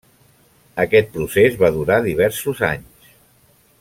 Aquest procés va durar diversos anys.